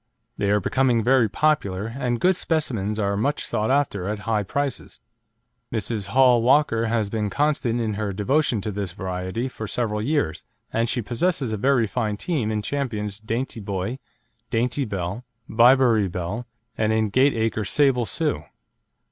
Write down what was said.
They are becoming very popular, and good specimens are much sought after at high prices. Mrs. Hall Walker has been constant in her devotion to this variety for several years, and she possesses a very fine team in Champions Dainty Boy, Dainty Belle, Bibury Belle, and in Gateacre Sable Sue.